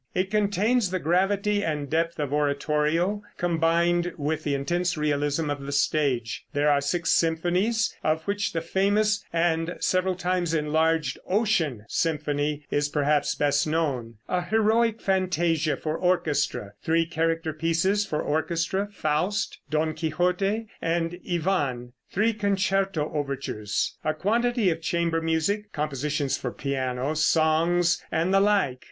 It contains the gravity and depth of oratorio combined with the intense realism of the stage. There are six symphonies, of which the famous and several times enlarged "Ocean" symphony is perhaps best known, a "Heroic Fantasia" for orchestra, three character pieces for orchestra, "Faust," "Don Quixote" and "Ivan"; three concert overtures, a quantity of chamber music, compositions for piano, songs, and the like.